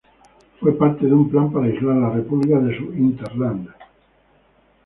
Fue parte de un plan para aislar la república de su "hinterland".